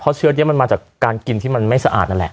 เพราะเชื้อนี้มันมาจากการกินที่มันไม่สะอาดนั่นแหละ